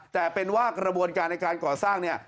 แต่เป็นว่ากระบวนการในการก่อสร้างเนี่ย